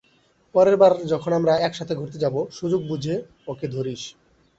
পরের বার যখন আমরা একসাথে ঘুরতে যাব, সুযোগ বুঝে ওকে ধরিস।